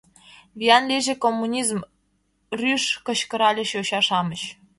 — Виян лийже коммунизм! — рӱж кычкыральыч йоча-шамыч.